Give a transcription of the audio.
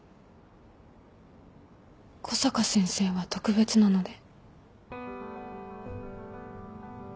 小坂先生は特別なので。